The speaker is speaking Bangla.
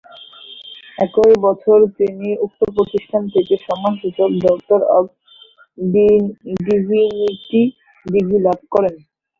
একই বছর তিনি উক্ত প্রতিষ্ঠান থেকে সম্মানসূচক ডক্টর অব ডিভিনিটি ডিগ্রি লাভ করেন।